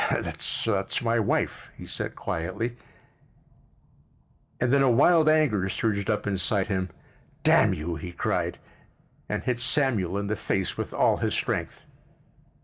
"That's my wife," he said quietly, and then a wild anger surged up inside him. "Damn you!" he cried—and hit Samuel in the face with all his strength.